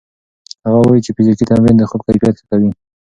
هغه وايي چې فزیکي تمرین د خوب کیفیت ښه کوي.